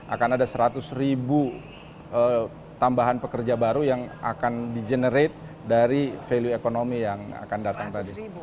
akan ada seratus ribu tambahan pekerja baru yang akan di generate dari value ekonomi yang akan datang tadi